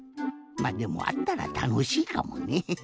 まっでもあったらたのしいかもね。